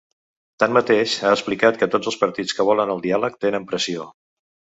Tanmateix, ha explicat que tots els partits que volen el diàleg tenen pressió.